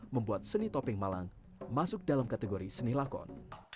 membuat seni topeng malang masuk dalam kategori seni lakon